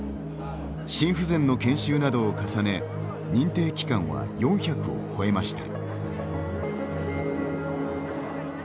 心不全の研修などを重ね認定機関は４００を超えました。